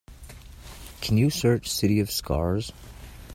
Can you search City of Scars?